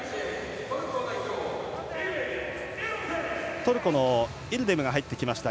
トルコのイルデムが入ってきました。